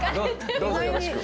どうぞよろしく。